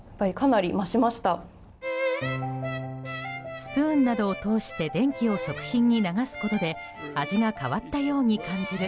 スプーンなどを通して電気を食品に流すことで味が変わったように感じる。